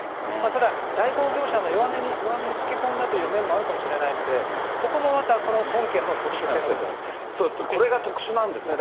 ただ代行業者の弱みにつけ込んだという面もあるかもしれないので、ここもまた、これが特殊なんですね。